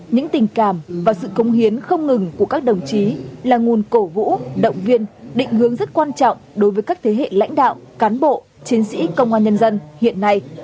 những tình cảm và sự công hiến không ngừng của các đồng chí là nguồn cổ vũ động viên định hướng rất quan trọng đối với các thế hệ lãnh đạo cán bộ chiến sĩ công an nhân dân hiện nay